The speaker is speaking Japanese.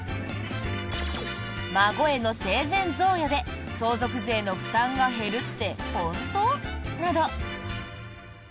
孫への生前贈与で相続税の負担が減るって本当？など